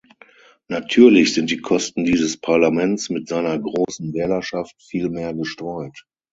Natürlich sind die Kosten dieses Parlaments mit seiner großen Wählerschaft viel mehr gestreut.